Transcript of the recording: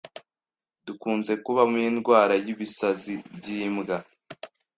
dukunze kubamo indwara y’ ibisazi by’imbwa.